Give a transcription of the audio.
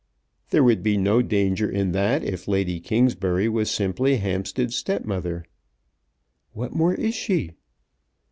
"There would be no danger in that if Lady Kingsbury was simply Hampstead's stepmother." "What more is she?"